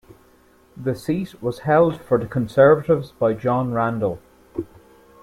The seat was held for the Conservatives by John Randall.